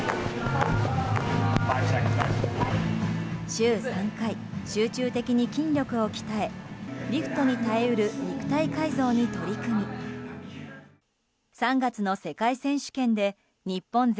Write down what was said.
週３回、集中的に筋力を鍛えリフトに耐え得る肉体改造に取り組み３月の世界選手権で日本勢